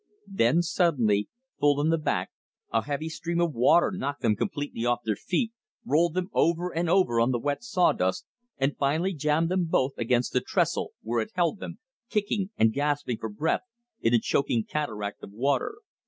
Then suddenly, full in the back, a heavy stream of water knocked them completely off their feet, rolled them over and over on the wet sawdust, and finally jammed them both against the trestle, where it held them, kicking and gasping for breath, in a choking cataract of water.